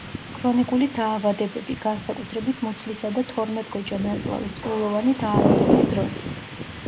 ქრონიკული დაავადებები, განსაკუთრებით, მუცლისა და თორმეტგოჯა ნაწლავის წყლულოვანი დაავადების დროს.